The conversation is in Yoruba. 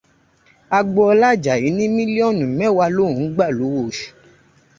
Agboọlá Àjàyí ní mílíọ̀nù mẹ́wàá lòun ń gbà lóṣù.